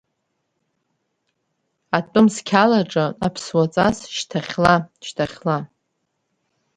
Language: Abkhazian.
Атәым сқьалаҿы Аԥсуаҵас шьҭахьла-шьҭахьла…